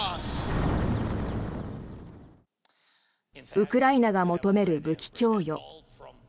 ウクライナが求める武器供与。